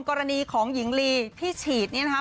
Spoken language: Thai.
กรณีของหญิงลีที่ฉีดเนี่ยนะคะ